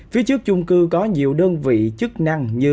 phía trước chung cư có nhiều đơn vị chức năng như